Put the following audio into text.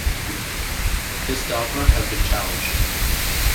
This dogma has been challenged.